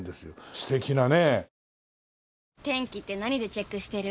素敵なね。